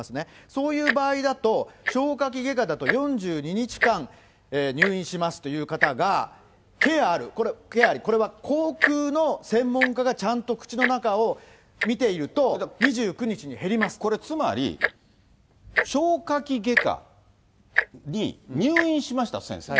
そういう場合だと、消化器外科だと、４２日間入院しますという方がケアある、これはケアあり、これは口くうの専門家がちゃんと口の中を診ていると２９日に減りこれつまり、消化器外科に入院しました、先生。